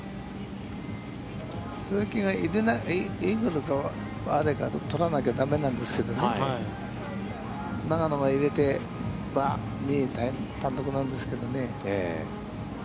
鈴木がイーグルとバーディーを取らないとだめなんですけどね、永野が入れて、２位単独なんですけどね。